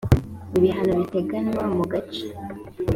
ibihano biteganywa mu gace